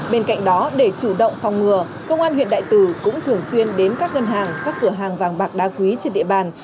bên cạnh đó để chủ động phòng ngừa công an huyện đại từ cũng thường xuyên đến các ngân hàng các cửa hàng vàng bạc đá quý trên địa bàn